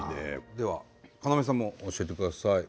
では要さんも教えてください。